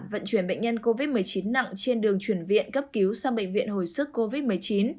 vận chuyển bệnh nhân covid một mươi chín nặng trên đường chuyển viện cấp cứu sang bệnh viện hồi sức covid một mươi chín